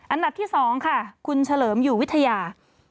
อันดับที่๒ค่ะคุณเฉลิมอยู่วิทยา